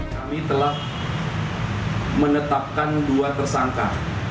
kami telah menetapkan dua tersangka